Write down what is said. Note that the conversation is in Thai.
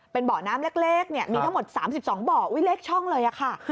เป็นบ่อน้ำเล็กเนี่ยมีทั้งหมด๓๒บ่ออุ๊ยเล็กช่องเลยค่ะ